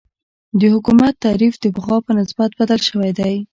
د حکومت تعریف د پخوا په نسبت بدل شوی دی.